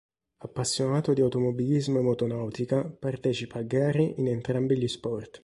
Appassionato di automobilismo e motonautica, partecipa a gare in entrambi gli sport.